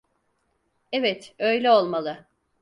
Evet, öyle olmalı.